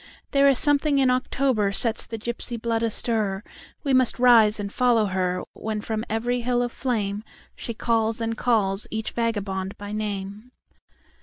There is something in October sets the gypsy blood astir; We must rise and follow her, When from every hill of flameShe calls and calls each vagabond by name.